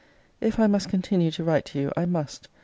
If I must continue to write to you, I must.